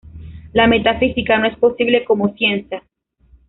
La metafísica no es posible como ciencia.